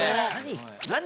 何？